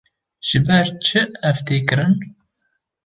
Ji ber çi ev tê kirin?